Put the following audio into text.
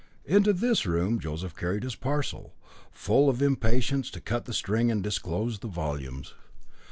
Into this room Joseph carried his parcel, full of impatience to cut the string and disclose the volumes.